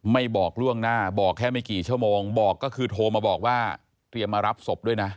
บอกล่วงหน้าบอกแค่ไม่กี่ชั่วโมงบอกก็คือโทรมาบอกว่าเตรียมมารับศพด้วยนะ